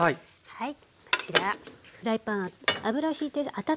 はい。